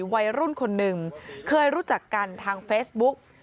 วัยรุ่นคนหนึ่งเคยรู้จักกันทางเฟซบุ๊ก